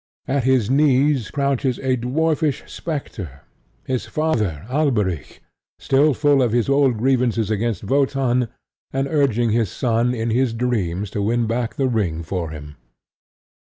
At his knees crouches a dwarfish spectre, his father Alberic, still full of his old grievances against Wotan, and urging his son in his dreams to win back the ring for him.